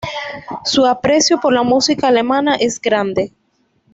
Su aprecio por la música alemana es grande.